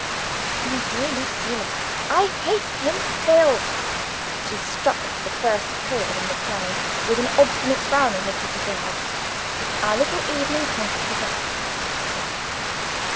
"My dear Lucilla!" "I hate him still!" She struck the first chords on the piano, with an obstinate frown on her pretty brow. Our little evening concert began.